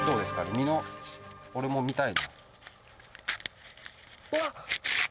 実の俺も見たい。